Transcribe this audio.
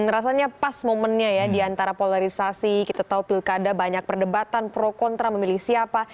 rasanya pas momennya ya diantara polarisasi kita tahu pilkada banyak perdebatan pro kontra memilih siapa